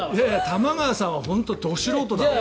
玉川さんは本当にど素人だわ。